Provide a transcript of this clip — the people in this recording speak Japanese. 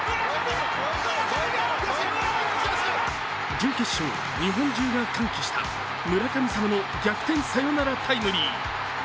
準決勝、日本中が歓喜した村神様の逆転サヨナラタイムリー。